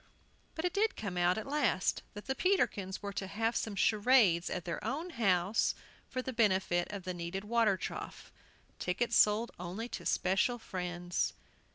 But it did come out at last that the Peterkins were to have some charades at their own house for the benefit of the needed water trough, tickets sold only to especial friends.